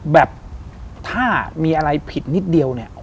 แบบถ้ามีอะไรผิดนิดเดียวเนี่ย